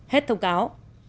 hết thông cáo